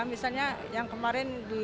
misalnya yang kemarin di